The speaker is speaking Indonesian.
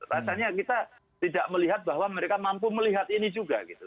rasanya kita tidak melihat bahwa mereka mampu melihat ini juga gitu